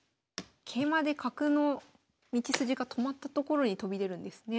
桂馬で角の道筋が止まったところに飛び出るんですね。